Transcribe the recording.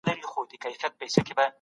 نه د ساتېرۍ آله